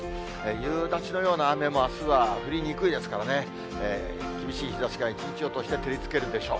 夕立のような雨もあすは降りにくいですからね、厳しい日ざしが一日を通して照りつけるでしょう。